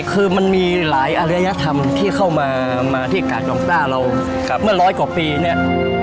คือมันมีหลายอรยธรรมที่เข้ามาที่กาดดองต้าเราเมื่อร้อยกว่าปีเนี่ย